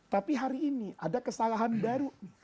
tapi hari ini ada kesalahan baru